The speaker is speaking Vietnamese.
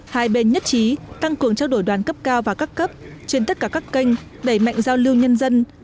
hai bên nhất trí tăng cường trao đổi đoàn cấp cao và các cấp trên tất cả các kênh đẩy mạnh giao lưu nhân dân